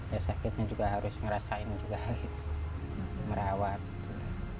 ya sakitnya juga harus ngerasain juga merawat gitu